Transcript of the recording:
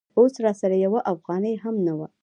اوس راسره یوه افغانۍ هم نه وه.